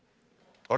あれ？